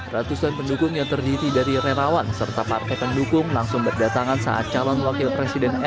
ratusan pendukung yang terdiri dari relawan serta partai pendukung langsung berdatangan saat calon wakil presiden